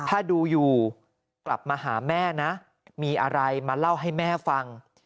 ถ้าดูอยู่กลับมาหาแม่นะมีอะไรมาเล่าให้แม่ฟัง